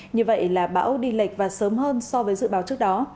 như vậy là bão đi lệch và sớm hơn so với dự báo trước đó